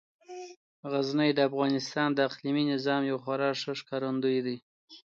غزني د افغانستان د اقلیمي نظام یو خورا ښه ښکارندوی دی.